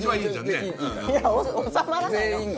いや収まらないの！